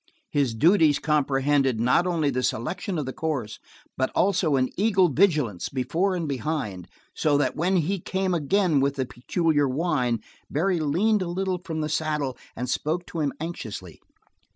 His duties comprehended not only the selection of the course but also an eagle vigilance before and behind, so that when he came again with a peculiar whine, Barry leaned a little from the saddle and spoke to him anxiously.